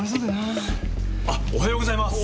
あおはようございます。